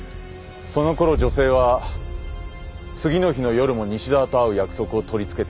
そのころ女性は次の日の夜も西沢と会う約束を取り付けていた。